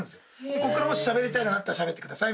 「こっからもししゃべりたいのがあったらしゃべってください」。